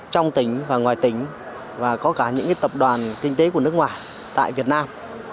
trong tỉnh và ngoài tỉnh và có cả những tập đoàn kinh tế của nước ngoài tại việt nam